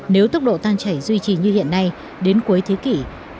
nếu tốc độ tan chảy duy trì như hiện nay đến cuối thế kỷ